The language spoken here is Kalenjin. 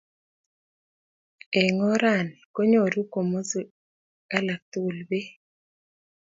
Eng oranii, konyoru komaswek alak tukul pek